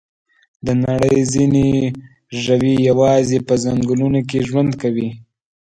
د نړۍ ځینې ژوي یوازې په ځنګلونو کې ژوند کوي.